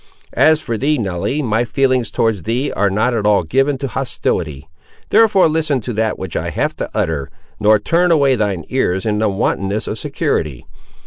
As for thee, Nelly, my feelings towards thee are not at all given to hostility; therefore listen to that which I have to utter, nor turn away thine ears in the wantonness of security.